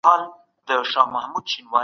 موږ باید د ټولنې د اصلاح لپاره کار وکړو.